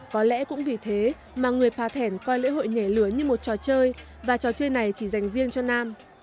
có lẽ cũng vì thế mà người pà thèn coi lễ hội nhảy lửa như một trò chơi và trò chơi này chỉ dành riêng cho nam